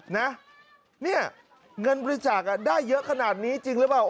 นะเนี่ยเงินบริจาคได้เยอะขนาดนี้จริงหรือเปล่า